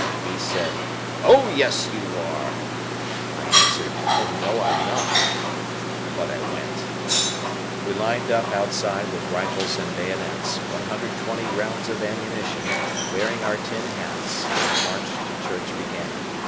He said, "Oh, yes, you are!" I answered. "Oh, no, I'm not!" But I went. We lined up outside with rifles and bayonets, 120 rounds of ammunition, wearing our tin hats, and the march to church began.